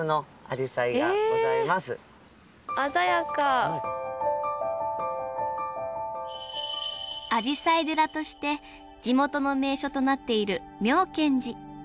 アジサイ寺として地元の名所となっている妙顕寺。